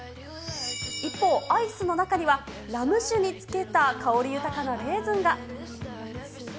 一方、アイスの中には、ラム酒につけた香り豊かなレーズンが。